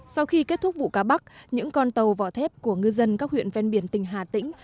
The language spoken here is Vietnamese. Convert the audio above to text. sau khi kết thúc vụ cá bắc những con tàu vỏ thép của ngư dân các huyện ven biển tỉnh hà tĩnh